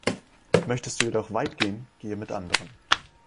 Möchtest du jedoch weit gehen, gehe mit anderen.